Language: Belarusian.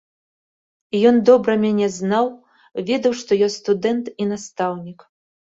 Ён добра мяне знаў, ведаў, што я студэнт і настаўнік.